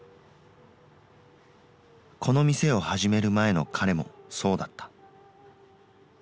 この店を始める前の彼もそうだった。